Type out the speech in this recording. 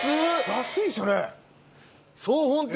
安いですよね。